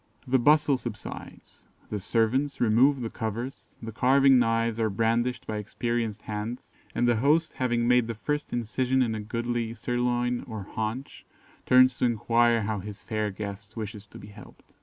The bustle subsides, the servants remove the covers, the carving knives are brandished by experienced hands, and the host having made the first incision in a goodly sirloin or haunch, turns to enquire how his fair guest wishes to be helped.